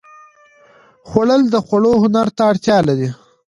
خوړل د خوړو هنر ته اړتیا لري